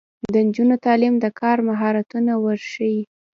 د نجونو تعلیم د کار مهارتونه ورښيي.